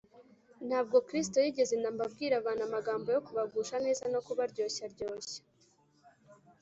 ntabwo kristo yigeze na mba abwira abantu amagambo yo kubagusha neza no kubaryoshyaryoshya